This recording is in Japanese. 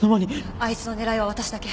あいつの狙いは私だけ。